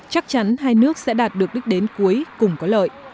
chắc chắn hai nước sẽ đạt được đích đến cuối cùng có lợi